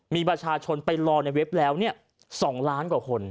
มีประชาชนไปรอในเว็บแล้ว๒ล้านกว่าคน